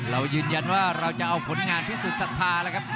เรายืนยันว่าเราจะเอาผลงานที่สุดศรัทธานะครับ